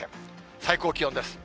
最高気温です。